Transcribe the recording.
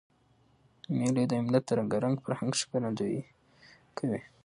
مېلې د یو ملت د رنګارنګ فرهنګ ښکارندویي کوي.